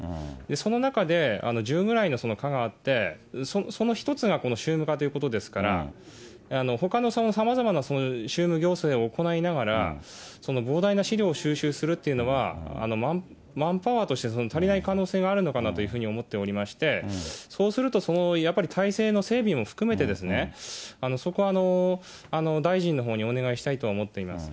その中で１０ぐらいの課があって、その一つがこの宗務課ということですから、ほかのさまざまな宗務行政を行いながら、膨大な資料を収集するというのは、マンパワーとして足りない可能性があるのかなというふうに思っておりまして、そうすると、やっぱり体制の整備も含めて、そこは大臣のほうにお願いしたいと思っています。